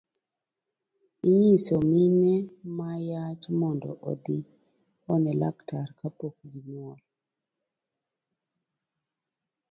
Inyiso mine ma yach mondo odhi one laktar kapok ginyuol.